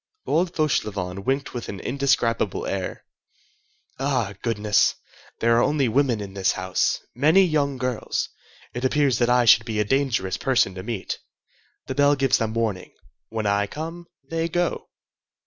Old Fauchelevent winked with an indescribable air. "Ah, goodness! there are only women in this house—many young girls. It appears that I should be a dangerous person to meet. The bell gives them warning. When I come, they go."